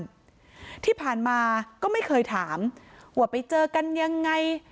ที่ผ่านมาก็ไม่เคยถามว่าไปเจอกันยังไง